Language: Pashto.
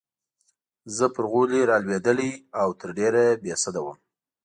زه پر غولي رالوېدلې او تر ډېره بې سده وم.